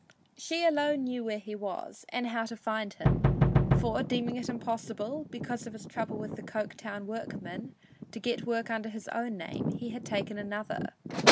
She alone knew where he was, and how to find him, for deeming it impossible, because of his trouble with the Coketown workmen, to get work under his own name, he had taken another.